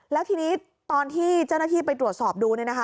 แล้วทีนี้ตอนที่เจ้าหน้าที่ไปตรวจสอบดู